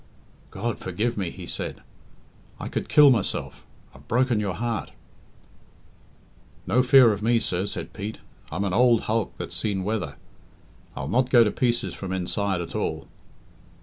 "God forgive me," he said. "I could kill myself. I've broken your heart; " "No fear of me, sir," said Pete. "I'm an ould hulk that's seen weather. I'll not go to pieces from inside at all.